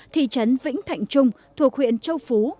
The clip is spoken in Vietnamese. thị trấn vĩnh thạnh trung thuộc huyện châu phú